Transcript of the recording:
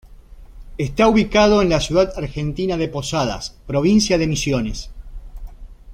Está ubicado en la ciudad argentina de Posadas, Provincia de Misiones.